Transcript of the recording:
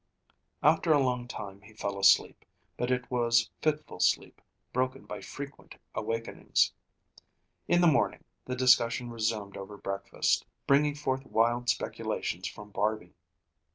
After a long time he fell asleep, but it was fitful sleep broken by frequent awakenings. In the morning, the discussion resumed over breakfast, bringing forth wild speculations from Barby.